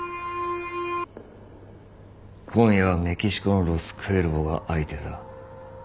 今夜はメキシコのロス・クエルボが相手だ。